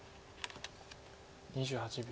２８秒。